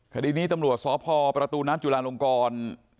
คดีนี้ตำรวจสพประตูน้ำจุลาลงกร